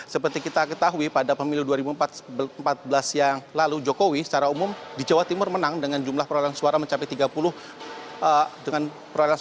seperti kita ketahui pada pemilih dua ribu empat belas yang lalu jokowi secara umum di jawa timur menang dengan jumlah perlahan suara mencapai lima puluh tiga empat persen